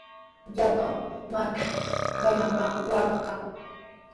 Llapan markatraw qamllapami waaka kan.